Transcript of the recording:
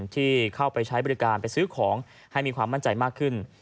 ที่เข้าไปใช้บริการไปซื้อของให้มีความมั่นใจมากขึ้น